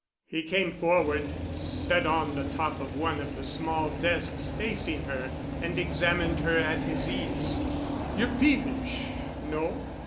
He came forward, sat on the top of one of the small desks facing her, and examined her at his ease. "You're peevish—no?